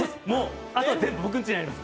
あとは全部僕んちにあります。